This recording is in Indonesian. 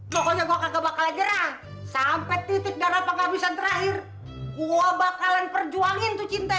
pokoknya gua kagak bakalan jerang sampai titik darat penghabisan terakhir gua bakalan perjuangin tuh cinta